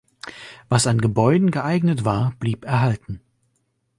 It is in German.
Was an Gebäuden geeignet war blieb erhalten.